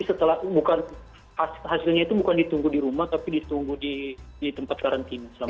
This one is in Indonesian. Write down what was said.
setelah bukan hasilnya itu bukan ditunggu di rumah tapi ditunggu di tempat karantina selama empat belas hari